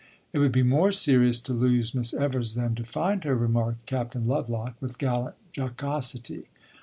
"It would be more serious to lose Miss Evers than to find her," remarked Captain Lovelock, with gallant jocosity.